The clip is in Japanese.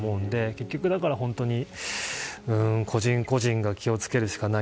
結局、個人個人が気を付けるしかない。